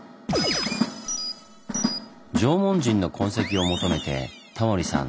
縄文人の痕跡を求めてタモリさん